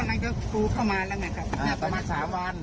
นี่ประมาณ๓วัน